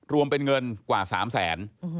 รวมเป็นเงินกว่า๓๐๐๐๐๐บาท